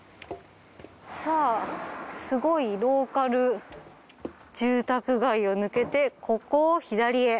さあすごいローカル住宅街を抜けてここを左へ。